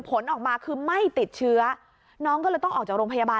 ผลออกมาคือไม่ติดเชื้อน้องก็เลยต้องออกจากโรงพยาบาล